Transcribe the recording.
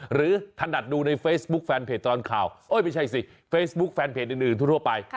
ถนัดดูในเฟซบุ๊คแฟนเพจตลอดข่าวไม่ใช่สิเฟซบุ๊คแฟนเพจอื่นทั่วไป